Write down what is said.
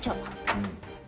うん。